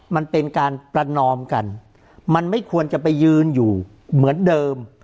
มันเป็นการประนอมกันมันไม่ควรจะไปยืนอยู่เหมือนเดิม